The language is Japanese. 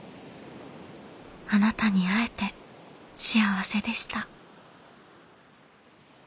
あなたに会えて幸せでした」。